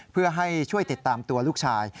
เพื่อให้ช่วยติดตามตัวลูกชาย